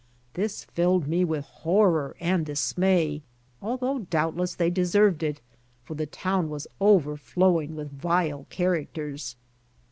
This filled me with horror and dismay, although doubtless they deserved it, for the town was overflowing with vile characters.